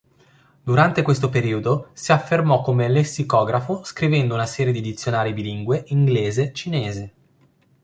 Durante questo periodo, si affermò come lessicografo scrivendo una serie di dizionari bilingue Inglese-Cinese.